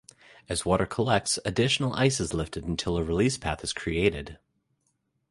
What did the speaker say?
As water collects, additional ice is lifted until a release path is created.